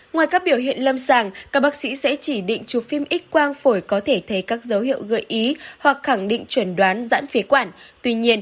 ngoài các biểu hiện lâm sàng các bác sĩ sẽ chỉ định chụp phim x quang phổi có thể thấy các dấu hiệu gợi ý hoặc khẳng định chuẩn đoán giãn phế quản